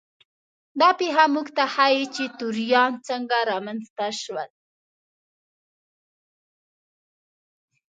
دا پېښه موږ ته ښيي چې توریان څنګه رامنځته شول.